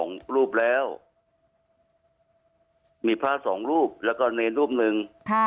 ร่วงหน้าไปส่งรูปแล้วมีพระส่งรูปแล้วก็ในรูปหนึ่ง